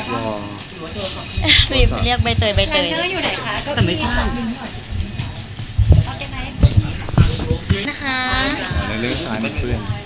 รีบเรียกใบเตย